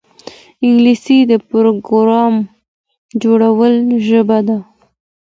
انګلیسي د پروګرام جوړولو ژبه ده